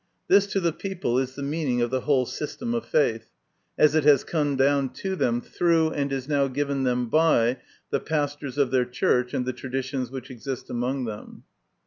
This to the people is the meaning of the whole system of faith, as it has come down to them through, and is now given them by, the pastors of their Church and the traditions which exist among them.